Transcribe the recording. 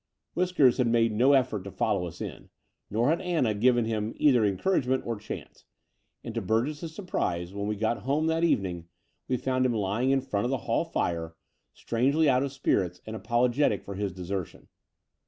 Whiskers had made no eflEort to follow us in, nor had Anna given him either encouragement or chance: and to Burgess's surprise, when we got home that evening, we found him lying in front of the hall fire, strangely out of spirits and apologetic for his desertion.